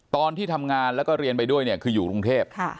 ตอนที่ทำงานแล้วก็เรียนไปด้วยเนี่ยคืออยู่กรุงเทพ